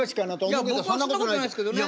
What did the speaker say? いや僕はそんなことないですけどね。